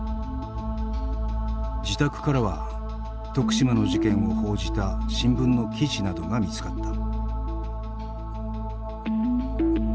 自宅からは徳島の事件を報じた新聞の記事などが見つかった。